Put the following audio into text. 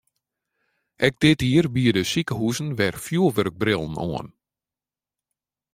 Ek dit jier biede sikehuzen wer fjurwurkbrillen oan.